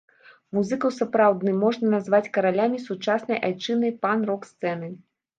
Музыкаў сапраўдны можна назваць каралямі сучаснай айчыннай панк-рок сцэны.